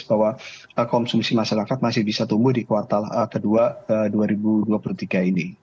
bahwa konsumsi masyarakat masih bisa tumbuh di kuartal kedua dua ribu dua puluh tiga ini